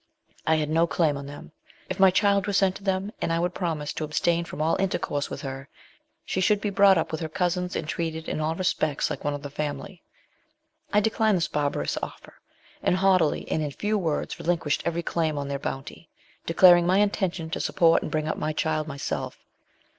I had no claim on them. If my child were sent to them, and I would promise to abstain from all intercourse with her, she should be brought up with her cousins, and treated in all respects like one of the family. I declined their barbarous offer, and haughtily and in few words relinquished every claim on their bounty, declaring my intention to support and bring up my child myself.